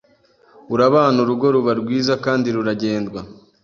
urabana urugo ruba rwiza kandi ruragendwa